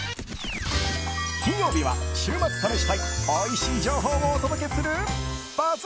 金曜日は、週末試したいおいしい情報をお届けするＢＵＺＺ